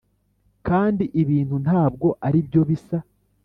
kandi ibintu ntabwo aribyo bisa.